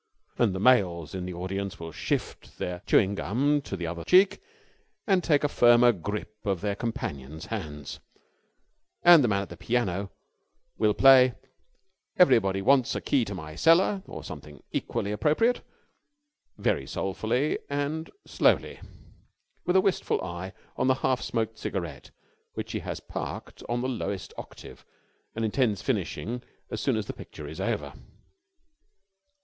and the males in the audience will shift their chewing gum to the other cheek and take a firmer grip of their companions' hands and the man at the piano will play "Everybody wants a key to my cellar" or something equally appropriate, very soulfully and slowly, with a wistful eye on the half smoked cigarette which he has parked on the lowest octave and intends finishing as soon as the picture is over.